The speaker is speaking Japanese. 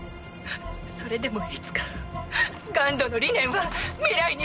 それでもいつかＧＵＮＤの理念は未来につながるって。